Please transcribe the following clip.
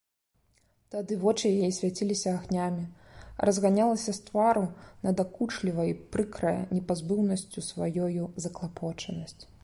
Тады вочы яе свяціліся агнямі, разганялася з твару надакучлівая і прыкрая непазбыўнасцю сваёю заклапочанасць.